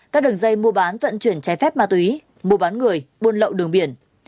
các đường dây mua bán vận chuyển trái phép ma túy mua bán người buôn lậu đường biển